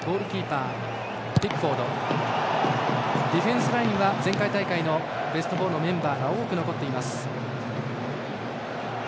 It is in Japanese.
ディフェンスラインは前回大会のベスト４のメンバーが多く残っています。